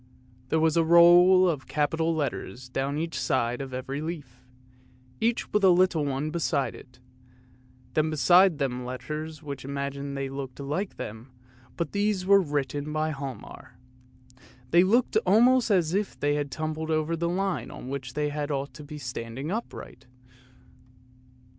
There was a row of capital letters down each side on every leaf, each with a little one beside it; then beside them letters which imagined that they looked like them, but these were written by Hialmar. They looked almost as if they had tumbled over the line on which they ought to have been standing upright.